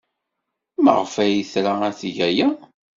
Maɣef ay tra ad teg aya?